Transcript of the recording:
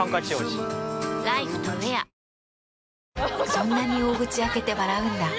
そんなに大口開けて笑うんだ。